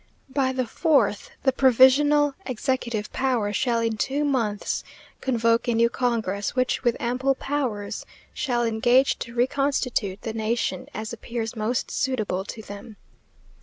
By the fourth The provisional executive power shall in two months convoke a new congress, which, with ample powers, shall engage to reconstitute the nation, as appears most suitable to them.